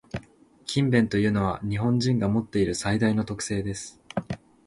「勤勉」というのは、日本人が持っている最大の特性です。